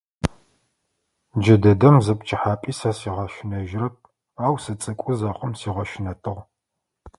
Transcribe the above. Джыдэдэм зы пчыхьапӏи сэ сигъэщынэжьырэп. Ау сыцӏыкӏу зэхъум сигъэщынэтыгъ.